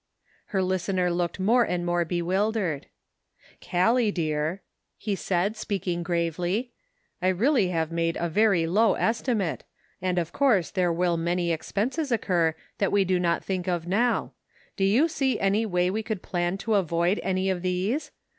" Her listener looked more and more bewild ered :" Gallic, dear," he said, speaking gravely, "I really have made a very low estimate, and of course there will many expenses occur that we do not think of now; do you see any way that we could plan to avoid any of these